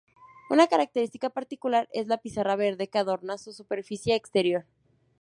Una característica peculiar es la pizarra verde que adorna su superficie exterior.